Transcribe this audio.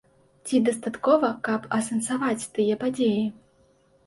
Ці дастаткова, каб асэнсаваць тыя падзеі?